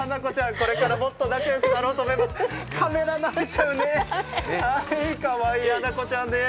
これからもっと仲よくなろうと思います。